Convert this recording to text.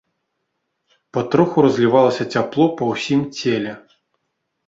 Патроху разлівалася цяпло па ўсім целе.